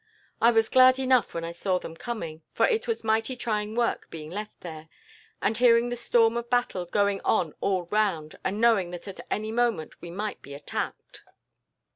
I was glad enough when I saw them coming, for it was mighty trying work being left there, and hearing the storm of battle going on all round, and knowing that at any moment we might be attacked.